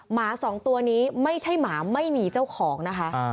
หมาสองตัวนี้ไม่ใช่หมาไม่มีเจ้าของนะคะ